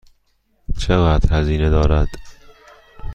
چقدر هزینه دارد؟